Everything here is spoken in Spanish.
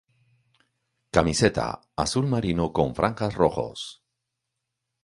Camiseta:Azul marino con franjas rojos.